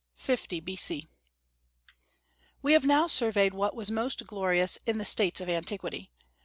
50 B.C. We have now surveyed what was most glorious in the States of antiquity.